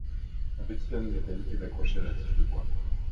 Un petit anneau métallique, est accroché à la tige de bois.